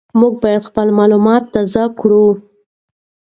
موږ باید خپل معلومات تازه کړو.